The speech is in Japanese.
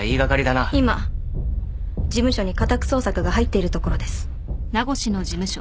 今事務所に家宅捜索が入っているところです。